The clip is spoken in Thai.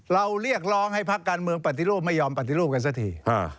เรียกร้องให้พักการเมืองปฏิรูปไม่ยอมปฏิรูปกันสักที